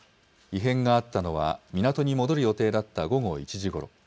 異変があったのは、港に戻る予定だった午後１時ごろ。